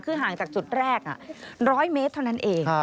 คือห่างจากจุดแรก๑๐๐เมตรเท่านั้นเอง